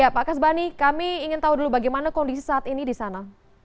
pak kas bani kami ingin tahu dulu bagaimana kondisi saat ini di sana